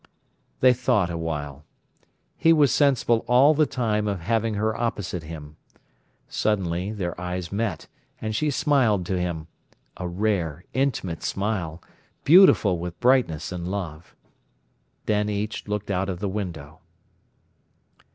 They thought awhile. He was sensible all the time of having her opposite him. Suddenly their eyes met, and she smiled to him—a rare, intimate smile, beautiful with brightness and love. Then each looked out of the window.